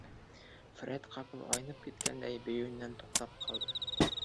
Фред ҡапыл айнып киткәндәй, бейеүенән туҡтап ҡалды.